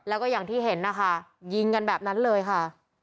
แล้วก็อย่างที่เห็นนะคะยิงกันแบบนั้นเลยค่ะ